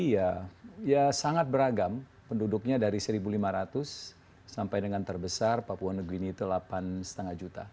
ya ya sangat beragam penduduknya dari seribu lima ratus sampai dengan terbesar papua new guinea itu delapan lima juta